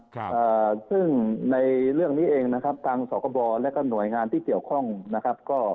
อ่าซึ่งในเรื่องนี้เองนะครับทางสกบแล้วก็หน่วยงานที่เกี่ยวข้องนะครับก็